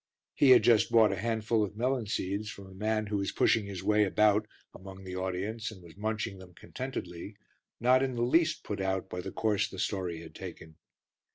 He had just bought a handful of melon seeds from a man who was pushing his way about among the audience, and was munching them contentedly, not in the least put out by the course the story had taken.